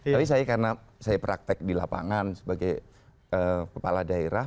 tapi saya karena saya praktek di lapangan sebagai kepala daerah